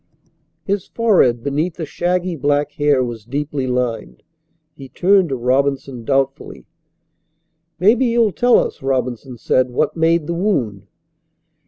His forehead beneath the shaggy black hair was deeply lined. He turned to Robinson doubtfully. "Maybe you'll tell us," Robinson said, "what made the wound."